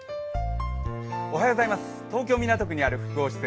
東京・港区にある複合施設